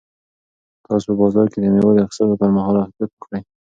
تاسو په بازار کې د مېوو د اخیستلو پر مهال احتیاط وکړئ.